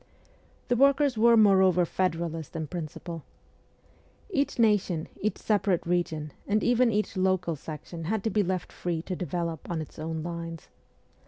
The workers were moreover federalist in principle. Each nation, each separate region, and even each local section had to be left free to develop on its own lines.